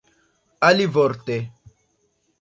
alivorte